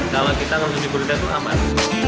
kalau kita harus memiliki gurita itu aman